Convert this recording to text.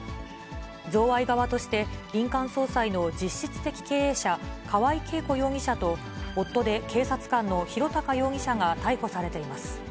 贈賄側として、林間葬祭の実質的経営者、河合恵子容疑者と、夫で警察官の博貴容疑者が逮捕されています。